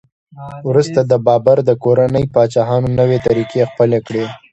وروسته د بابر د کورنۍ پاچاهانو نوې طریقې خپلې کړې.